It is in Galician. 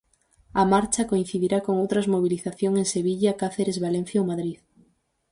A marcha coincidirá con outras mobilización en Sevilla, Cáceres, Valencia ou Madrid.